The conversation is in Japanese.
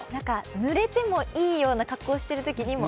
ぬれてもいいような格好をしているときにも